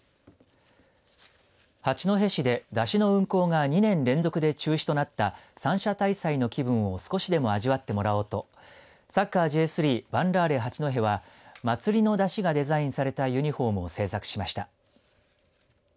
八戸市で山車の運行が２年連続で中止となった三社大祭の気分を少しでも味わってもらおうとサッカーＪ３ヴァンラーレ八戸は祭の山車がデザインされたユニフォームを制作しました。